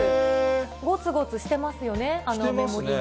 ごつごつしてますよね、目盛りが。